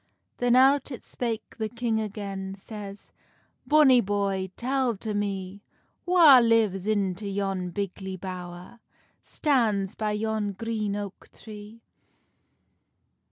Then out it spake the king again, Says, "Bonny boy, tell to me, Wha lives into yon bigly bowr, Stands by yon green oak tree?"